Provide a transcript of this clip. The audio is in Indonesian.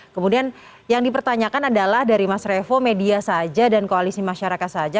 kemudian yang dipertanyakan adalah dari mas revo media saja dan koalisi masyarakat saja